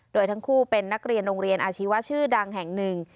โดยทั้งคู่เป็นนักเรียนโรงเรียนอาชีวะชื่อดังแห่งหนึ่ง